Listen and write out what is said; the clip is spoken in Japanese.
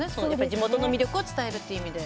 地元の魅力を伝えるという意味で。